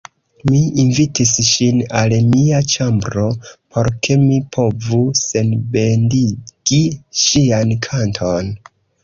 Mi invitis ŝin al mia ĉambro, por ke mi povu sonbendigi ŝian kanton.